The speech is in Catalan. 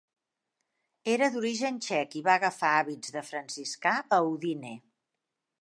Era d'origen txec i va agafar hàbits de franciscà a Udine.